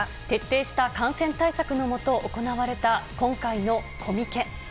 徹底した感染対策のもと、行われた今回のコミケ。